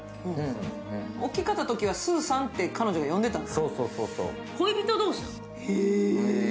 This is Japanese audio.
大きかったときは「スーさん」って彼女が呼んでたの？